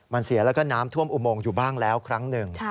มันเสียแล้วก็น้ำท่วมอุโมงอยู่บ้างแล้วครั้งหนึ่ง